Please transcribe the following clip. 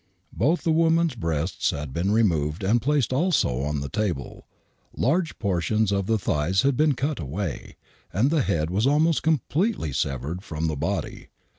Both the woman's breasts had been removed and placed also on the table. Large portions of the thighs had been cut away, and the head was almost completely severed from the body.